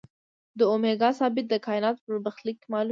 د اومېګا ثابت د کائنات برخلیک معلوموي.